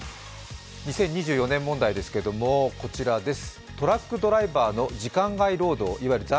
２０２４年問題ですけれども、こちらです。